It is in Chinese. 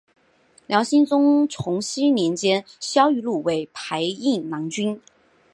辽兴宗重熙年间萧迂鲁为牌印郎君。